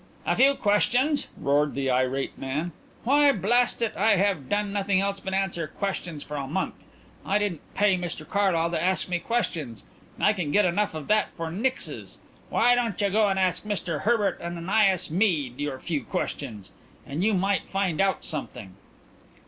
"A few questions!" roared the irate man. "Why, blast it, I have done nothing else but answer questions for a month. I didn't pay Mr Carlyle to ask me questions; I can get enough of that for nixes. Why don't you go and ask Mr Herbert Ananias Mead your few questions then you might find out something."